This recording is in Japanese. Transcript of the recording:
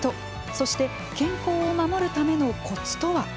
そして、健康を守るためのこつとは。